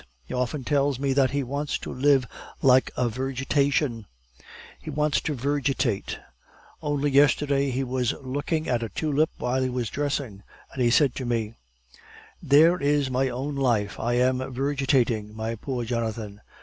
He often tells me that he wants to live like a vergetation; he wants to vergetate. Only yesterday he was looking at a tulip while he was dressing, and he said to me: "'There is my own life I am vergetating, my poor Jonathan.